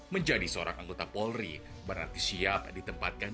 menjadi seorang anggota polri berarti siap ditempatkan